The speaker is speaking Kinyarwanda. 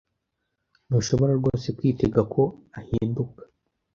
Ntushobora rwose kwitega ko ahinduka